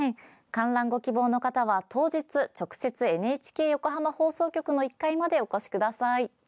観覧ご希望の方は当日、直接ＮＨＫ横浜放送局の１階までお越しください。